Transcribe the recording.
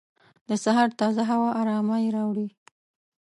د سهار تازه هوا ارامۍ راوړي.